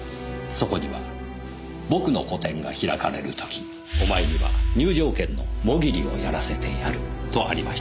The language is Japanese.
そこには「僕の個展が開かれるときお前には入場券のモギリをやらせてやる」とありました。